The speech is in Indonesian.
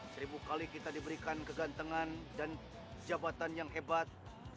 seribu kali kita diberikan kegantengan dan jabatan yang hebat